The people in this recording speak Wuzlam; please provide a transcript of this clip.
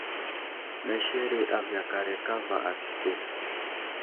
Meshere a viyakaray kava aku.